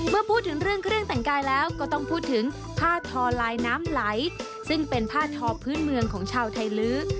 เมื่อพูดถึงเรื่องเครื่องแต่งกายแล้วก็ต้องพูดถึงผ้าทอลายน้ำไหลซึ่งเป็นผ้าทอพื้นเมืองของชาวไทยลื้อ